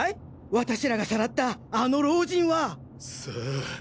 私らがさらったあの老人は。さあ？